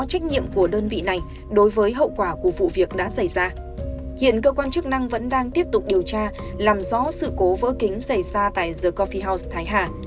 hiện cơ quan chức năng vẫn đang tiếp tục điều tra làm rõ sự cố vỡ kính xảy ra tại the cophi house thái hà